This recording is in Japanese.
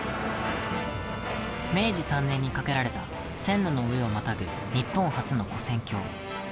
明治３年に架けられた線路の上をまたぐ日本初のこ線橋。